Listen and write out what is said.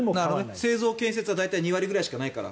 製造・建設は４割くらいしかないから。